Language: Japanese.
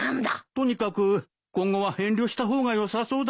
とにかく今後は遠慮した方がよさそうだよ。